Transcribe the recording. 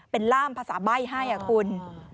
เป็นล่ามภาษาใบ้ให้คุณ